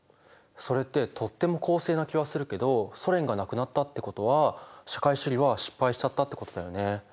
それってとっても公正な気はするけどソ連がなくなったってことは社会主義は失敗しちゃったってことだよね。